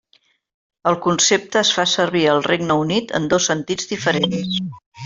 El concepte es fa servir al Regne Unit en dos sentits diferents.